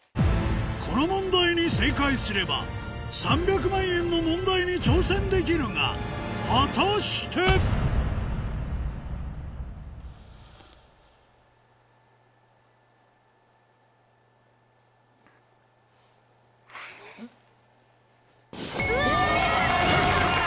この問題に正解すれば３００万円の問題に挑戦できるが果たして⁉うわやった！